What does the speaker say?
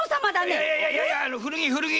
いやいや古着古着！